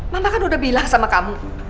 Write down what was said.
mama kan udah bilang sama kamu